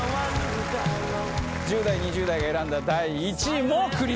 １０代２０代が選んだ。